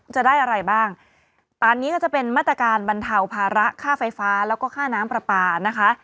จะได้อะไรบ้างตอนนี้ก็จะเป็นมาตรการบรรเทาภาระค่าไฟฟ้าแล้วก็ค่าน้ำปลาปลานะคะ